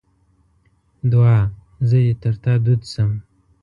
دوعا: زه دې تر تا دود سم.